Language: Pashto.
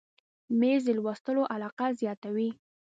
مېز د لوستلو علاقه زیاته وي.